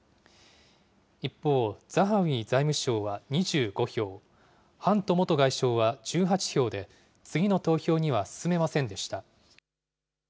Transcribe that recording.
一方、ザハウィ財務相は２５票、ハント元外相は１８票で、次の投票には進めませんでした。